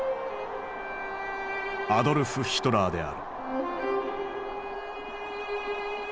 アドルフ・ヒトラーである。